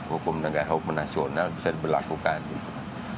hukum negara hukum nasional bisa diberlakukan gitu kan